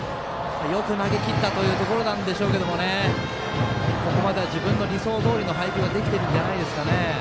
よく投げきったというところなんでしょうけどここまでは自分の理想どおりの配球ができているんじゃないですかね。